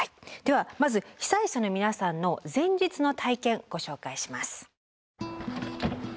ではまず被災者の皆さんの前日の体験ご紹介します。